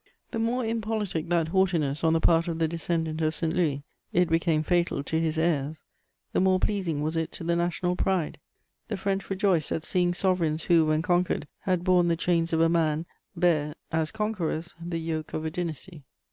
The more impolitic that haughtiness on the part of the descendant of St. Louis (it became fatal to his heirs), the more pleasing was it to the national pride: the French rejoiced at seeing sovereigns who, when conquered, had borne the chains of a man, bear, as conquerors, the yoke of a dynasty.